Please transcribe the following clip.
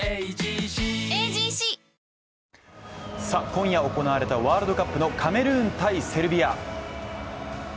今夜行われたワールドカップのカメルーン×セルビア。